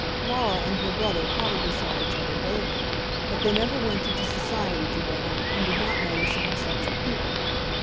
Laura and her brother probably saw each other daily, but they never went into society together, and did not know the same sets of people.